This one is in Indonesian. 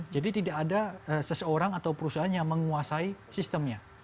jadi tidak ada seseorang atau perusahaan yang menguasai sistemnya